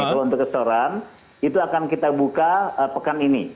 kalau untuk restoran itu akan kita buka pekan ini